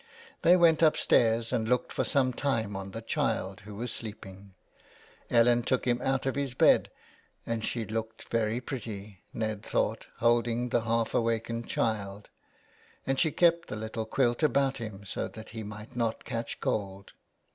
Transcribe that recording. They went upstairs and looked for some time on the child, who was sleeping. Ellen took him out of his bed, and she looked very pretty, Ned thought, holding the half awakened child, and she kept the little quilt about him so that he might not catch cold.